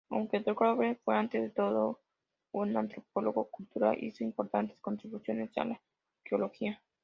Aunque Kroeber fue ante todo un antropólogo cultural, hizo importantes contribuciones a la arqueología.